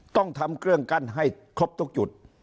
ต้องทำเครื่องกั้นให้ครบทุกจุด